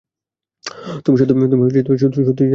তুমি সত্যিই জানো না ওরা কী করে?